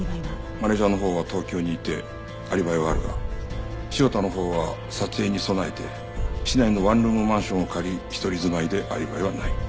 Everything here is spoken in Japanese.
マネジャーのほうは東京にいてアリバイはあるが潮田のほうは撮影に備えて市内のワンルームマンションを借り一人住まいでアリバイはない。